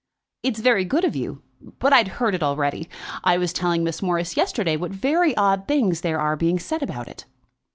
"It's very good of you, but I'd heard it already. I was telling Miss Morris yesterday what very odd things there are being said about it."